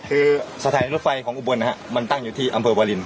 คือสถานีรถไฟของอุบลนะฮะมันตั้งอยู่ที่อำเภอวาลิน